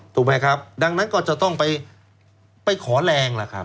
ถูกไหมครับดังนั้นก็จะต้องไปขอแรง